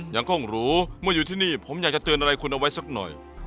ยังคงหรูเมื่ออยู่ที่นี่ผมอยากจะเตือนอะไรคุณเอาไว้สักหน่อย